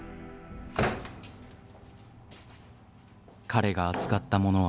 彼が扱ったものは。